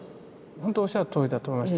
ほんとおっしゃるとおりだと思いました。